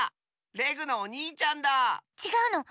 レグのおにいちゃんだ！ちがうの。